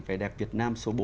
về đẹp việt nam số bốn